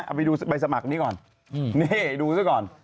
เอาไปดูใบสมัครนี้ก่อนนี่ดูซะก่อน